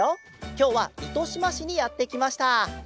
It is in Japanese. きょうはいとしましにやってきました。